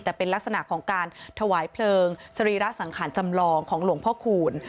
แต่เป็นลักษณะของการถวายเพลิงสรีระสังขารจำลองของหลวงพ่อคูณ